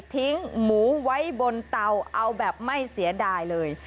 หมูไว้บนเตาเอาแบบไม่เสียดายเลย